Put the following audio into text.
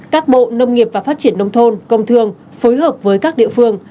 các bộ nông nghiệp và phát triển nông thôn công thương phối hợp với các địa phương